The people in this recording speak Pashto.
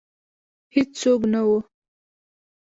هیڅوک نه وه